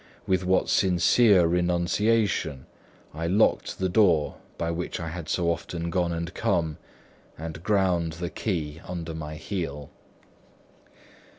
with what sincere renunciation I locked the door by which I had so often gone and come, and ground the key under my heel!